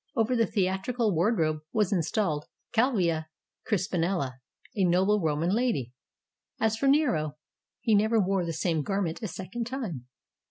Over the theatrical wardrobe was in stalled Calvia Crispinella, a noble Roman lady. As for Nero, he never wore the same garment a second time.